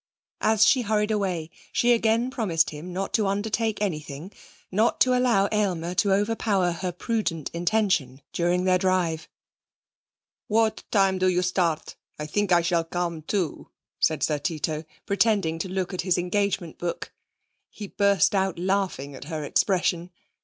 As she hurried away, she again promised him not to undertake anything, nor to allow Aylmer to overpower her prudent intention during their drive. 'What time do you start? I think I shall come too,' said Sir Tito, pretending to look at his engagement book. He burst out laughing at her expression.